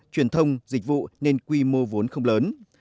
truyền thông dịch vụ nên quy mô vốn không lớn